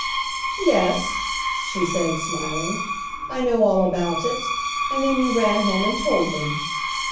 "Yes," she said, smiling, "I know all about it. And then you ran home and told them."